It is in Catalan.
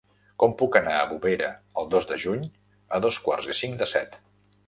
Com puc anar a Bovera el dos de juny a dos quarts i cinc de set?